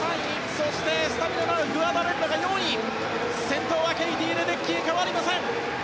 そして、スタミナのあるクアダレッラが４位先頭はケイティ・レデッキー変わりません。